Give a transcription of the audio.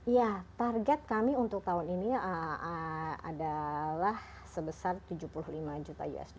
ya target kami untuk tahun ini adalah sebesar tujuh puluh lima juta usd